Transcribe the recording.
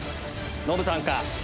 ノブさんか？